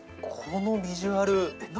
このビジュアル。